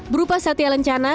berupa satyalen cahaya